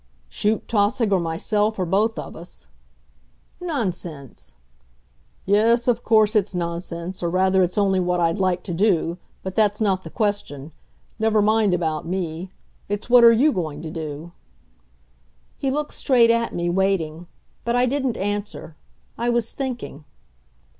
"Shoot Tausig or myself, or both of us." "Nonsense!" "Yes, of course, it's nonsense, or rather it's only what I'd like to do.... But that's not the question. Never mind about me. It's what are you going to do?" He looked straight at me, waiting. But I didn't answer. I was thinking.